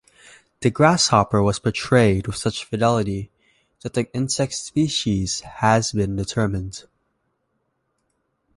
The grasshopper was portrayed with such fidelity that the insect's species has been determined.